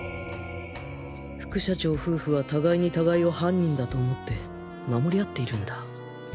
副社長夫婦は互いに互いを犯人だと思って守り合っているんだ